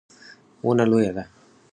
ونه لویه ده